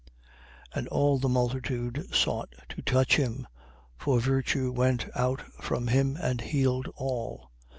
6:19. And all the multitude sought to touch him: for virtue went out from him and healed all.